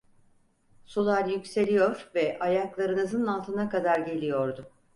Sular yükseliyor ve ayaklarınızın altına kadar geliyordu.